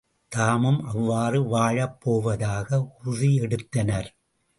தாமும் அவ்வாறு வாழப் போவதாக உறுதி எடுத்தனர்.